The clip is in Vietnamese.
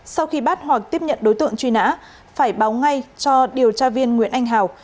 sau khi bắt hoặc tiếp nhận đối tượng truy nã phải báo ngay cho điều tra viên nguyễn anh hào